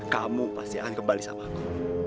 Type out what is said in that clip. kamu pasti akan kembali sama aku